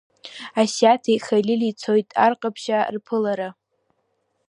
Асиаҭи Халили цоит Ар ҟаԥшьаа рԥылара.